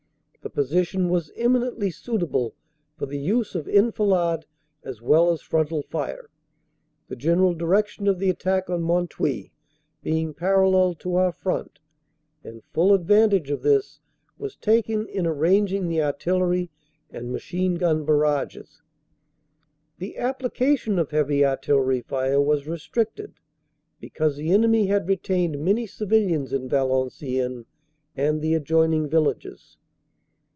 The position was emin ently suitable for the use of enfilade as well as frontal fire, the general direction of the attack on Mont Houy being parallel to our front, and full advantage of this was taken in arranging the Artillery and Machine Gun barrages. "The application of Heavy Artillery fire was restricted because the enemy had retained many civilians in Valenciennes and the adjoining villages.